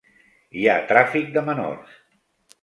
Hi ha tràfic de menors.